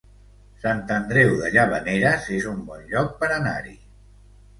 Sant Andreu de Llavaneres es un bon lloc per anar-hi